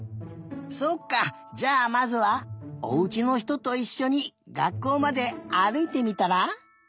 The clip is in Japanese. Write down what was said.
そっかじゃあまずはおうちのひとといっしょにがっこうまであるいてみたら？